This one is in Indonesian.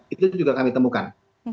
itu juga kami temukan